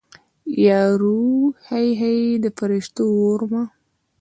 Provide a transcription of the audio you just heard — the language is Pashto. یارو هی هی د فریشتو اورمه